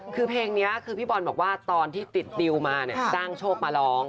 คือเพลงนี้คือพี่บอลบอกว่าตอนที่ติดดิวมาเนี่ยจ้างโชคมาร้อง